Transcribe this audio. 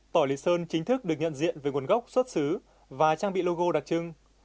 tỏi lý sơn chính thức được nhận diện về nguồn gốc xuất xứ và trang bị logo đặc trưng